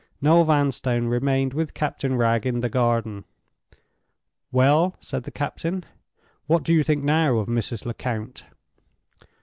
Noel Vanstone remained with Captain Wragge in the garden. "Well," said the captain, "what do you think now of Mrs. Lecount?"